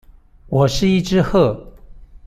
我是一隻鶴